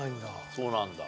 そうなんだ。